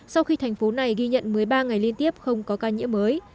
sau khi thành phố này ghi nhận một mươi ba ngày liên tiếp không có ca nhiễm mới